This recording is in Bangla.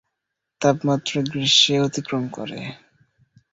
তাপমাত্রা গ্রীষ্মে অতিক্রম করে।